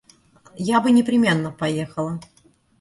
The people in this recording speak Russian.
Я бы непременно поехала.